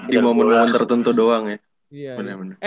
di momen momen tertentu doang ya